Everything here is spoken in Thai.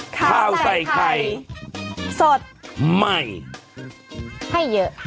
ข่าวใส่ไข่สดใหม่ให้เยอะ